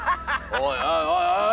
おいおいおいおい！